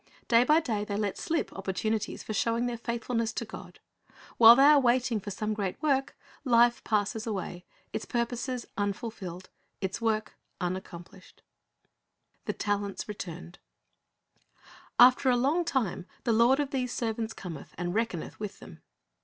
Day by day they let slip opportunities for showing their faithfulness to God. While they are waiting for some great work, life passes away, its purposes unfulfilled, its work unaccomplished. THE TALENTS RETURNED "After a long time the lord of those servants cometh, and reckoneth with them."